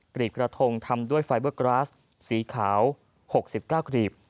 รีบกระทงทำด้วยไฟเบอร์กราสสีขาว๖๙กรีบ